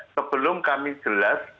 sebelum kami jelas